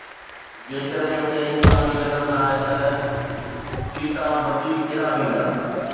جيڪڏهن هتي انساني قدر نه آهي ته چيتا بچي ڪيڏانهن ويندا؟